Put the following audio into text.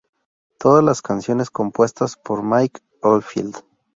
Todas las canciones compuestas por Mike Oldfield.